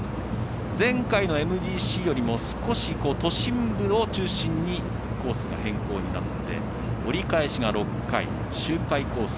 前回のＭＧＣよりも少し都心部を中心にコースが変更になって折り返しが６回周回コース